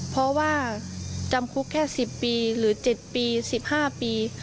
เพราะว่าจำคุกแค่๑๐ปีหรือ๗ปี๑๕ปี